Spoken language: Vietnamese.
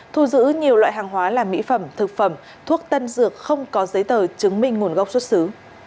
thu giữ nhiều loại hàng hóa là mỹ phẩm thực phẩm thuốc tân dược không có giấy tờ chứng minh nguồn gốc xuất xứ